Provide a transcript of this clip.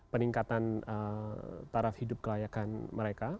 peningkatan taraf hidup kelayakan mereka